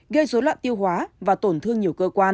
gây dối loạn tiêu hóa và tổn thương nhiều cơ quan